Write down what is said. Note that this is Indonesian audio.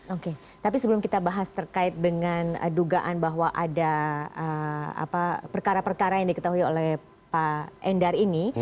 oke tapi sebelum kita bahas terkait dengan dugaan bahwa ada perkara perkara yang diketahui oleh pak endar ini